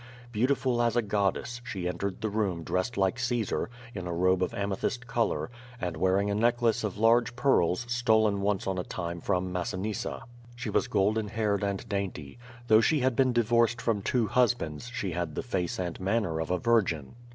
Beautiful as a goddess, she entered the room dressed like Caesar, in a robe of amethyst color, and wearing a necklace of large pearls stolen once on a time from QUO VADIS, 65 Massinissa. She was golden haired and dainty. Though she had been divorced from two husbands, she had the face and manner of a virgin.